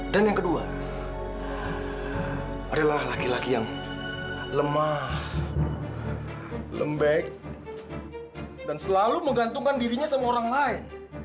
dan yang kedua adalah laki laki yang lemah lembek dan selalu menggantungkan dirinya sama orang lain